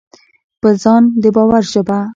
په ځان د باور ژبه: